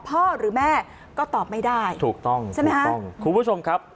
พ่อหรือแม่ก็ตอบไม่ได้ถูกต้องถูกต้องคุณผู้ชมครับ